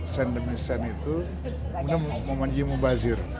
sen demi sen itu memanjir membazir